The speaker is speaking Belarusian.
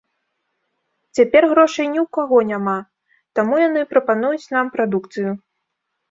Цяпер грошай ні ў каго няма, таму яны прапануюць нам прадукцыю.